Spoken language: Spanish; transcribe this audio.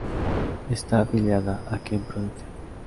Está afiliada a Ken Production.